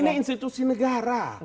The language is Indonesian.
ini institusi negara